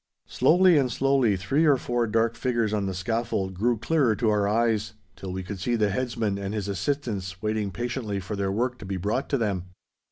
Slowly and slowly three or four dark figures on the scaffold grew clearer to our eyes, till we could see the headsman and his assistants waiting patiently for their work to be brought to them.